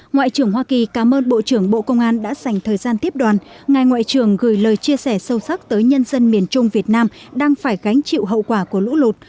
ngoại trưởng hoa kỳ cảm ơn bộ trưởng bộ công an đã dành thời gian tiếp đoàn ngài ngoại trưởng gửi lời chia sẻ sâu sắc tới nhân dân miền trung việt nam đang phải gánh chịu hậu quả của lũ lụt